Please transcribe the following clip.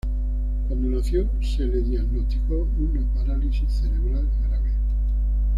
Cuando nació se le diagnosticó una parálisis cerebral grave.